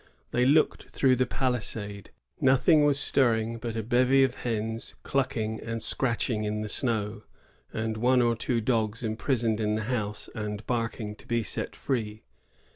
They looked through the palisade. Nothing was stirring but a bevy of hens clucking and scratch ing in the snow, and one or two dogs imprisoned in the house and barking to be set free.